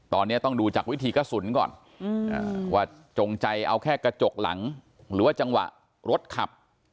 ตอนนี้ต้องดูจากวิถีกระสุนก่อนว่าจงใจเอาแค่กระจกหลังหรือว่าจังหวะรถขับ